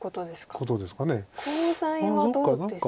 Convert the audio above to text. コウ材はどうですか？